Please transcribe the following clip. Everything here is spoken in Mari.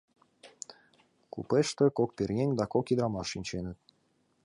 Купеште кок пӧръеҥ да кок ӱдрамаш шинченыт.